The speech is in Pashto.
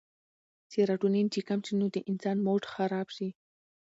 سيراټونين چې کم شي نو د انسان موډ خراب شي